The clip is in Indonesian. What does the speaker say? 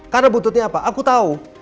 karena bututnya apa aku tahu